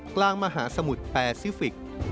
กลางมหาสมุทรแปซิฟิกส์